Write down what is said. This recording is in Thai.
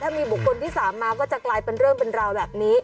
มีบุคคลที่๓มาก็จะกลายเป็นเรื่องเป็นราวแบบนี้